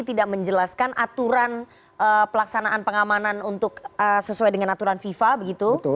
tidak menjelaskan aturan pelaksanaan pengamanan untuk sesuai dengan aturan fifa begitu